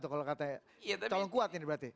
kalau kata calon kuat ini berarti